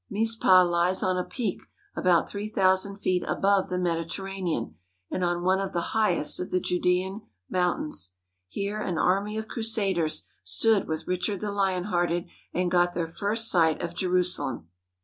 Mizpah lies on a peak about three thousand feet above the Mediterranean, and on one of the highest of the Judean mountains. Here an army of crusaders stood with Richard the Lion Hearted and got their first sight of Jerusalem.